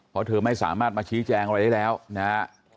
เพราะเธอไม่สามารถมาชี้แจงอะไรได้แล้วนะฮะ